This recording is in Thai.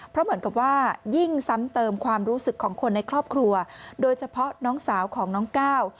เพราะเหมือนกับว่ายิ่งซ้ำเติมความรู้สึกของคนในครอบครัวโดยเฉพาะน้องสาวของน้องก้าว